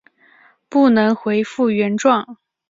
不能回复原状